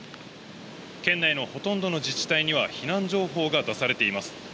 県内のほとんどの自治体には避難情報が出されています。